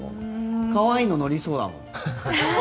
可愛いの乗りそうだもん。